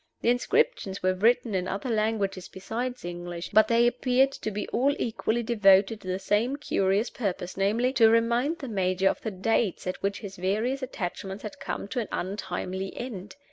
The inscriptions were written in other languages besides English, but they appeared to be all equally devoted to the same curious purpose, namely, to reminding the Major of the dates at which his various attachments had come to an untimely end.